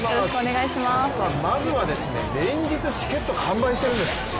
まずは、連日チケット完売しているんです。